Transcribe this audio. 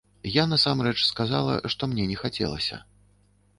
Я насамрэч сказала, што мне не хацелася.